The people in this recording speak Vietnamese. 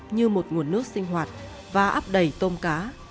như một nguồn nước sinh hoạt và áp đầy tôm cá